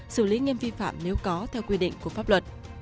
xử lý nghiêm vi phạm nếu có theo quy định của pháp luật